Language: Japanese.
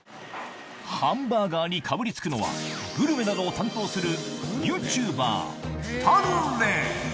ハンバーガーにかぶりつくのは、グルメなどを担当するユーチューバー、タルレ。